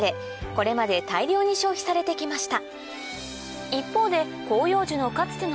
これまで大量に消費されてきました